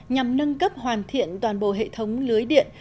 nhằm nâng cấp hoàn thiện toàn bộ hệ thống lưới điện